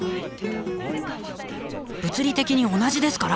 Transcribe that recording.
物理的に同じですから！